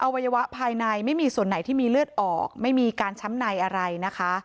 วัยวะภายในไม่มีส่วนไหนที่มีเลือดออกไม่มีการช้ำในอะไรนะคะ